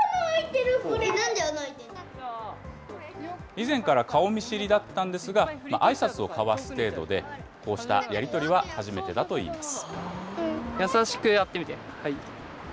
以前から顔見知りだったんですが、あいさつを交わす程度で、こうしたやり取りは初めてだといいます。